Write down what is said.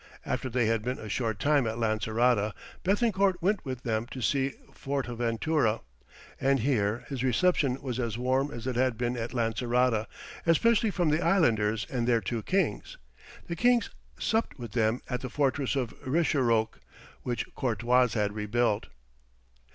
After they had been a short time at Lancerota, Béthencourt went with them to see Fortaventura, and here his reception was as warm as it had been at Lancerota, especially from the islanders and their two kings. The kings supped with them at the fortress of Richeroque, which Courtois had rebuilt.